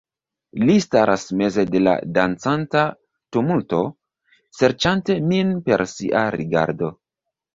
Li staras meze de la dancanta tumulto, serĉante min per sia rigardo..